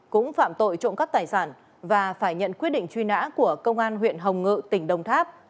cũng phạm tội trộm cắp tài sản và phải nhận quyết định truy nã của công an huyện hồng ngự tỉnh đồng tháp